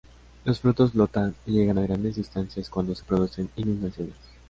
Los frutos flotan, y llegan a grandes distancias cuando se producen inundaciones.